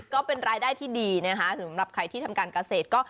ก็เป็นรายได้ที่ดีนะคะสำหรับใครที่ทำการเกษตรก็